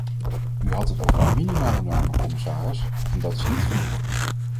U had het over minimale normen, commissaris, en dat is niet genoeg.